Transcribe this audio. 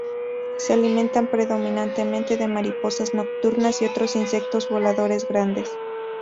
Se alimentan predominantemente de mariposas nocturnas y otros insectos voladores grandes.